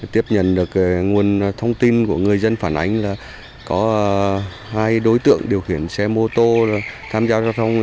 tiếp nhận được nguồn thông tin của người dân phản ánh là có hai đối tượng điều khiển xe mô tô tham gia giao thông